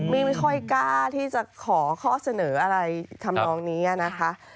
ไม่ค่อยกล้าที่จะขอข้อเสนออะไรทำนองนี้นะคะ